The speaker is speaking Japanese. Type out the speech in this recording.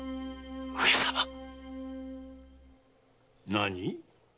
何？